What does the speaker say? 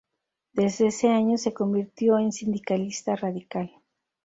Desde ese año, se convirtió en sindicalista radical.